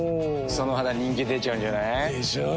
その肌人気出ちゃうんじゃない？でしょう。